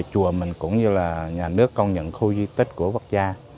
chùa mình cũng như là nhà nước công nhận khu di tích của quốc gia